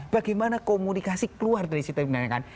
bagaimana komunikasi keluar dari situasi penyenangan